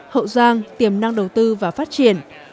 hậu giang tiềm năng đầu tư và phát triển